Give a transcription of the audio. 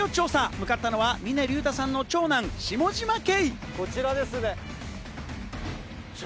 向かったのは峰竜太さんの長男・下嶋兄。